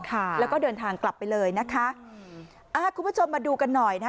ค่ะแล้วก็เดินทางกลับไปเลยนะคะอ่าคุณผู้ชมมาดูกันหน่อยนะฮะ